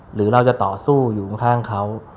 หรือเราจะต่อสู้อยู่ข้างเขา